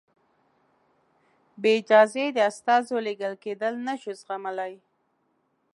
بې اجازې د استازو لېږل کېدل نه شو زغملای.